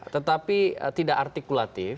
tetapi tidak artikulatif